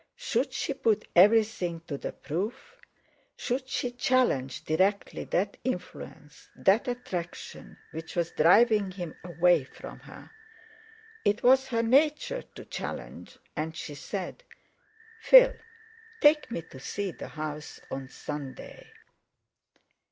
Should she put everything to the proof? Should she challenge directly that influence, that attraction which was driving him away from her? It was her nature to challenge, and she said: "Phil, take me to see the house on Sunday!"